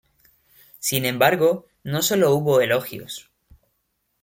Sin embargo, no solo hubo elogios.